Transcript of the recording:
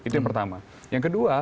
itu yang pertama yang kedua